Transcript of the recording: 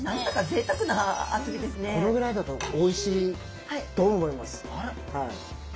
何だかこのぐらいだとおいしいと思います。